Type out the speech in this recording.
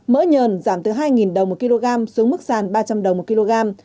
mỡ nhờn giảm từ hai đồng một kg xuống mức sàn ba trăm linh đồng một kg